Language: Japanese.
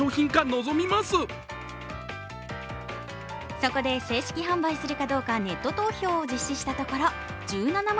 そこで正式販売するかどうかネット投票を実施したところ１７万